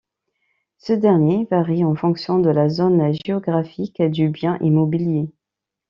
Ce dernier varie en fonction de la zone géographique du bien immobilier.